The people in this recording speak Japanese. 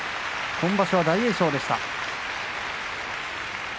今場所は大栄翔でした。